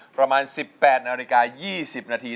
ประมาณ๑๘นาฬิกา๒๐นาที